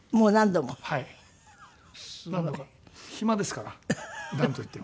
暇ですからなんといっても。